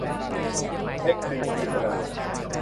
เอสซีจี เซรามิกส์